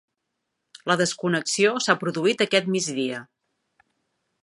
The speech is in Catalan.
La desconnexió s'ha produït aquest migdia